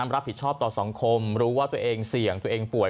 รับผิดชอบต่อสังคมรู้ว่าตัวเองเสี่ยงตัวเองป่วย